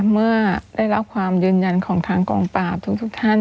เมื่อได้รับความยืนยันของทางกองปราบทุกท่าน